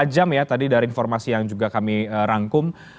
dua jam ya tadi dari informasi yang juga kami rangkum